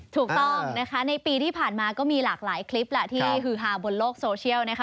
ถูกต้องนะคะในปีที่ผ่านมาก็มีหลากหลายคลิปแหละที่ฮือฮาบนโลกโซเชียลนะคะ